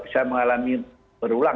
bisa mengalami berulang